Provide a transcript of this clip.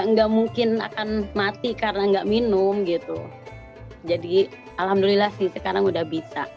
nggak mungkin akan mati karena enggak minum gitu jadi alhamdulillah sih sekarang udah bisa